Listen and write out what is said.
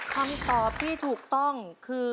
คำตอบที่ถูกต้องคือ